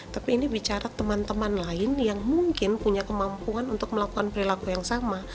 tapi ini bicara teman teman lain yang mungkin punya kemampuan untuk melakukan perilaku yang sama